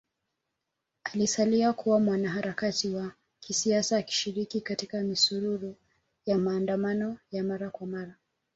Alisalia kuwa mwanaharakati wa kisiasa akishiriki katika misururu ya maandamano ya mara kwa mara